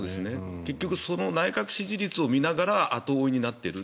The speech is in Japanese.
結局その内閣支持率を見ながら後追いになっている。